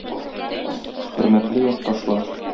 Хөрмәтле якташлар!